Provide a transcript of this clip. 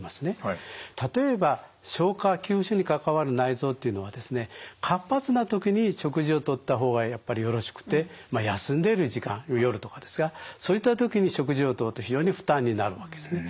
例えば消化吸収に関わる内臓というのは活発な時に食事をとった方がやっぱりよろしくてまあ休んでいる時間夜とかですがそういった時に食事をとると非常に負担になるわけですね。